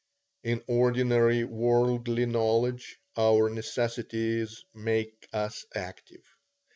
In ordinary worldly knowledge, our necessities make us active.